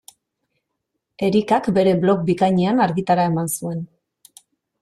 Erikak bere blog bikainean argitara eman zuen.